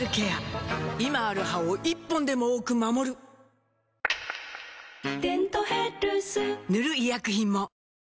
今ある歯を１本でも多く守る「デントヘルス」塗る医薬品も